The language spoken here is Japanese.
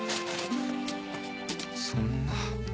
そんな。